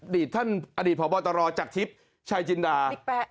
ท่านอดีตพบตรจากทิพย์ชายจินดา